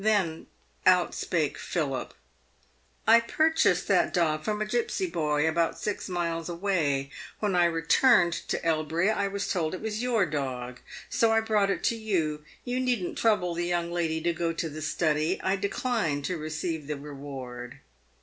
Then out spake Philip: " I purchased that dog from a gipsy boy, about six miles away. "When I returned to Elbury, I was told it was your dog, so I brought it to you. Tou needn't trouble the young lady to go to the study, I decline to receive the reward."